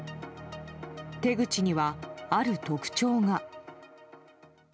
手口には、ある特徴が。